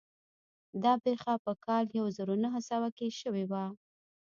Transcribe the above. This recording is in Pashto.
دا پېښه په کال يو زر و نهه سوه کې شوې وه.